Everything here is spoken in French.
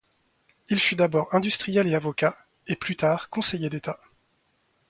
Il fut d'abord industriel et avocat, et plus tard conseiller d'État.